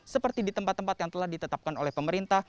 seperti di tempat tempat yang telah ditetapkan oleh pemerintah